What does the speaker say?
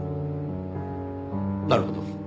なるほど。